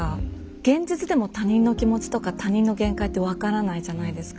現実でも他人の気持ちとか他人の限界って分からないじゃないですか。